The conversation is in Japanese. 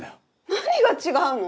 何が違うの？